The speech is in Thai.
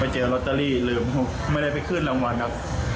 หรือจะค้นในกระเป๋าดูไปเจอล็อตเตอรี่ลืมไม่ได้ไปขึ้นรางวัลครับ